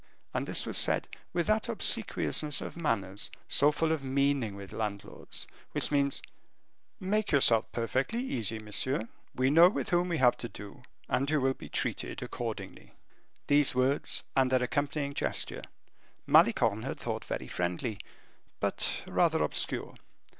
And this was said with that obsequiousness of manners, so full of meaning with landlords, which means, "Make yourself perfectly easy, monsieur: we know with whom we have to do, and you will be treated accordingly." These words, and their accompanying gesture, Malicorne had thought very friendly, but rather obscure.